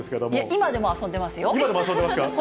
今でも遊んでますか。